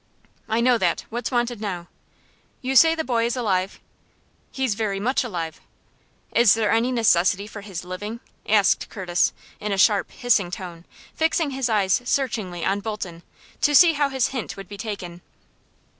"I know that. What's wanted now?" "You say the boy is alive?" "He's very much alive." "Is there any necessity for his living?" asked Curtis, in a sharp, hissing tone, fixing his eyes searchingly on Bolton, to see how his hint would be taken.